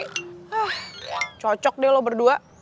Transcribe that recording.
hah cocok deh lo berdua